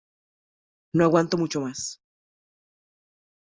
¡ No aguanto mucho más!